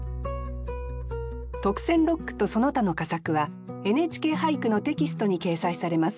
特選六句とその他の佳作は「ＮＨＫ俳句」のテキストに掲載されます。